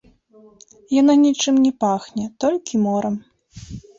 Яна нічым не пахне, толькі морам.